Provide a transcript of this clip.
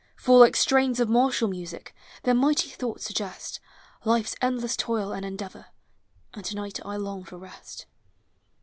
For, like strains of martial music, Their mighty thoughts suggest Life's endless toil and endeavor; And to night I long for rest.